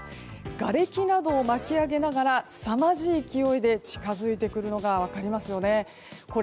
がれきなどを巻き上げながらすさまじい勢いで近づいてくるのが分かりますよね。